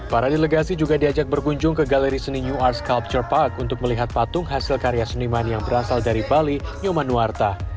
para delegasi juga diajak berkunjung ke galeri seni new ars culture park untuk melihat patung hasil karya seniman yang berasal dari bali nyoman nuwarta